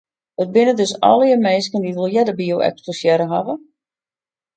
It binne dus allegear minsken dy't wol earder by jo eksposearre hawwe?